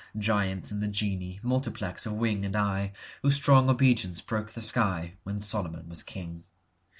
Giants and the Genii, Multiplex of wing and eye, Whose strong obedience broke the skyWhen Solomon was king.